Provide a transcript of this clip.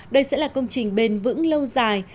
đây sẽ là công trình bền vững lâu dài